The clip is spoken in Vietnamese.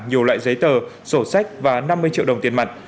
nhiều loại giấy tờ sổ sách và năm mươi triệu đồng tiền mặt